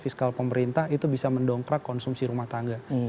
fiskal pemerintah itu bisa mendongkrak konsumsi rumah tangga